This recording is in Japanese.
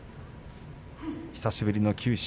久しぶりの九州。